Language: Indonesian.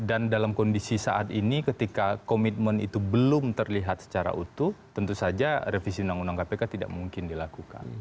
dan dalam kondisi saat ini ketika komitmen itu belum terlihat secara utuh tentu saja revisi undang undang kpk tidak mungkin dilakukan